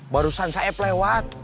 barusan saeb lewat